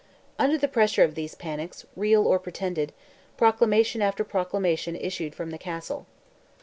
Under the pressure of these panics, real or pretended, proclamation after proclamation issued from the Castle.